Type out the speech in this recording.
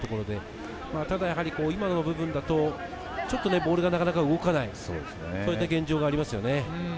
ただ今の部分だと、ちょっとボールがなかなか動かない、そういった現状があります。